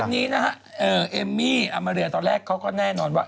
วันนี้นะฮะเอมมี่อามาเรียตอนแรกเขาก็แน่นอนว่า